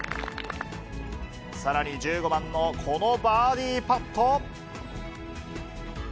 さらに１５番のこのバーディーパット。